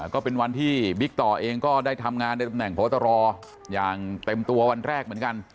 ก็เป็นวันที่บิ๊กต่อเองก็ได้ทำงานในตำแหน่งพบตรอย่างเต็มตัววันแรกเหมือนกัน